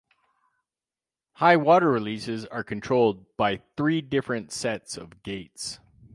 High water releases are controlled by three different sets of gates.